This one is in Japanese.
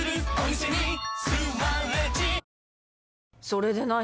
それで何？